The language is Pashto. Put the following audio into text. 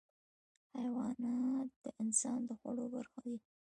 حیوانات د انسان د خوړو برخه دي.